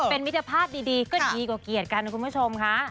เป็นมิตรภาพดีก็ดีกว่าเกียรติกันนะคุณผู้ชมค่ะ